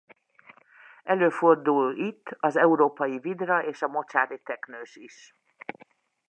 Előfordul itt az európai vidra és a mocsári teknős is.